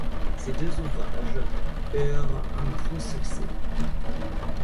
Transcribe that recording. Ces deux ouvrages eurent un grand succès.